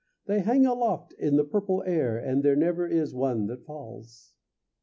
They hang aloft in the purple air, And there never is one that falls.